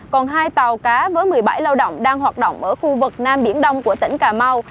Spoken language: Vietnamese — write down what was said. còn hai tàu cá với một mươi bảy lao động đang hoạt động ở khu vực nam biển đông của tỉnh cà mau